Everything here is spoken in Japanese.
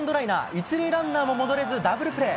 １塁ランナーも戻れずダブルプレー。